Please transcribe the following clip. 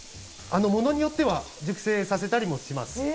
ものによっては熟成させたりもします。